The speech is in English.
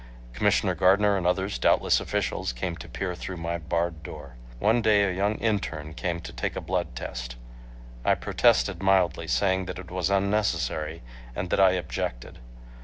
Commissioner Gardner and others—doubtless officials—came to peer through my barred door. One day a young interne came to take a blood test. I protested mildly, saying that it was unnecessary and that I objected.